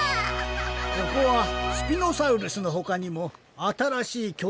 ここはスピノサウルスのほかにもあたらしいきょ